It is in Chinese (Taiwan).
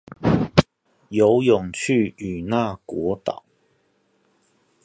游泳去與那國島